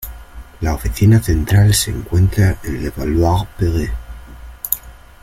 La oficina central se encuentra en Levallois-Perret.